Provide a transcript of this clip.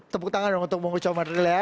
tepuk tangan dong untuk bung oce